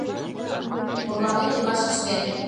Орланен илаш ыштен.